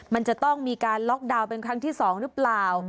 มันจะต้องมีการล็อกดาวน์เป็นครั้งที่๒หรือเปล่า